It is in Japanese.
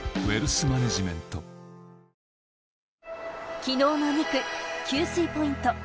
昨日の２区、給水ポイント。